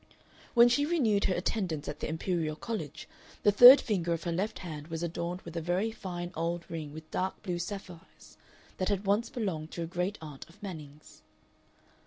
When she renewed her attendance at the Imperial College the third finger of her left hand was adorned with a very fine old ring with dark blue sapphires that had once belonged to a great aunt of Manning's.